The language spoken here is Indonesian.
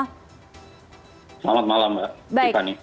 selamat malam mbak